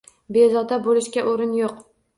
Bezovta bo'lishga o'rin yo'q.